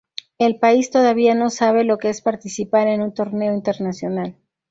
El país todavía no sabe lo que es participar en un torneo internacional.